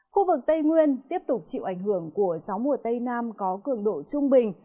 khu vực tây nguyên tiếp tục chịu ảnh hưởng của gió mùa tây nam có cường độ trung bình